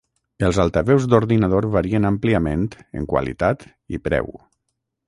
Els altaveus d'ordinador varien àmpliament en qualitat i preu.